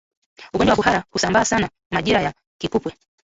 Ugonjwa wa kuhara husambaa sana majira ya kipupwe